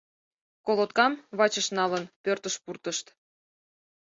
Колоткам, вачыш налын, пӧртыш пуртышт.